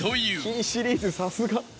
金シリーズさすが。